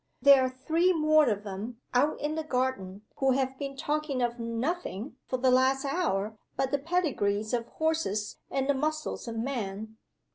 There are three more of them, out in the garden, who have been talking of nothing, for the last hour, but the pedigrees of horses and the muscles of men.